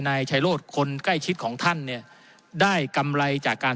นายชัยโรธคนใกล้ชิดของท่านเนี่ยได้กำไรจากการ